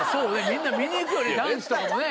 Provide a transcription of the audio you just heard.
みんな見に行くよね